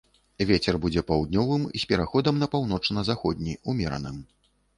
Вецер будзе паўднёвым з пераходам на паўночна-заходні, умераным.